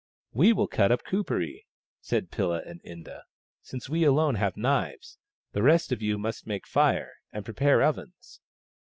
" We will cut up Kuperee," said Pilla and Inda, " since we alone have knives. The rest of you must make fire, and prepare ovens."